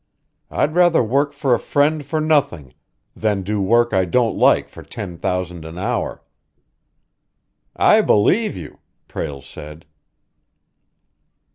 I'd rather work for a friend for nothing than do work I don't like for ten thousand an hour." "I believe you!" Prale said.